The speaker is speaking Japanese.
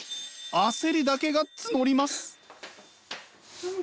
焦りだけが募ります。